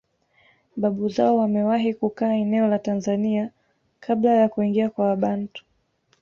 Babu zao wamewahi kukaa eneo la Tanzania kabla ya kuingia kwa Wabantu